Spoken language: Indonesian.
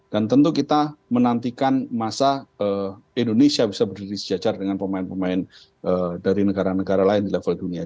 dan tentu kita menantikan masa indonesia bisa berdiri sejajar dengan pemain pemain dari negara negara lain di level dunia